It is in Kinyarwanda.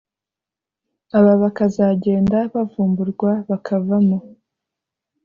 aba bakazagenda bavumburwa bakavamo